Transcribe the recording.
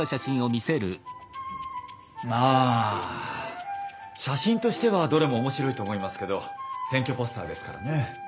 ああ写真としてはどれも面白いと思いますけど選挙ポスターですからね。